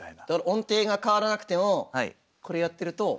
音程が変わらなくてもこれやってると。